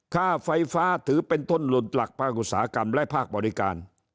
ค่าไฟฟ้าถือเป็นทุนหลุดหลักภาคอุตสาหกรรมและภาคบริการ